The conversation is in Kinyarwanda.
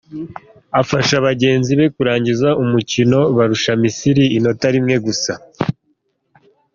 Afasha bagenzi be kurangiza umukino barusha Misiri inota rimwe gusa.